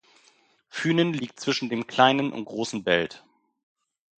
Fünen liegt zwischen dem Kleinen und Großen Belt.